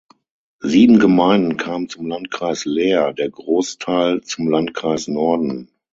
Sieben Gemeinden kamen zum Landkreis Leer, der Großteil zum Landkreis Norden.